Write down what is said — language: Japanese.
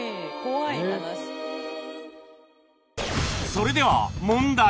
それでは問題